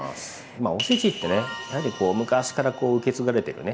まあおせちってねやはりこう昔からこう受け継がれてるね